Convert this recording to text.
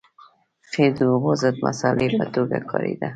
قیر د اوبو ضد مصالحې په توګه کارېده